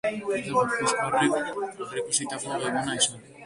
Ez da gipuzkoarrek aurreikusitako eguna izan.